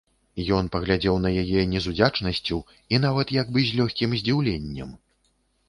Ён паглядзеў на яе не з удзячнасцю і нават як бы з лёгкім здзіўленнем.